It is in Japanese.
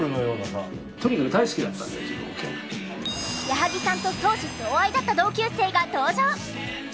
矢作さんと相思相愛だった同級生が登場！